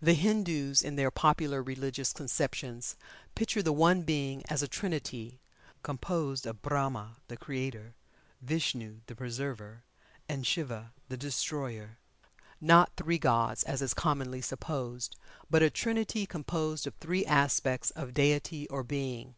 The Hindus in their popular religious conceptions picture the One Being as a Trinity, composed of Brahma, the Creator; Vishnu, the Preserver, and Siva, the Destroyer not three gods, as is commonly supposed, but a Trinity composed of three aspects of Deity or Being.